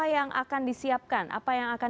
yang akan disiapkan apa yang akan